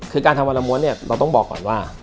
คือการทำวันละมวลเราต้องบอกก่อนว่า